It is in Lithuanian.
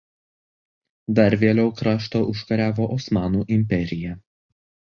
Dar vėliau kraštą užkariavo Osmanų imperija.